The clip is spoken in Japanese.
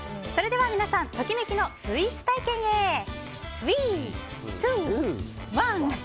それでは皆さんときめきのスイーツ体験へスイー、ツー、ワン！